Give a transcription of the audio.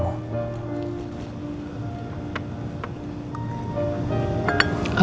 tidak ada sesuatu